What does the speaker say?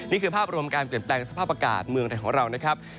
นี่คือภาพรวมการเปลี่ยนแปลงสภาพอากาศเมืองไทยของเรานะครับ